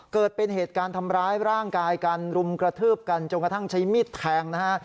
เกิดเป็นเหตุการณ์ทำร้ายร่างกายกันรุมกระทืบกันจนกระทั่งใช้มีดแทงนะฮะ